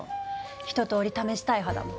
一とおり試したい派だもん。